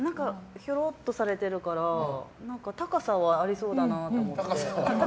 ひょろっとされてるから高さはありそうだなと思って。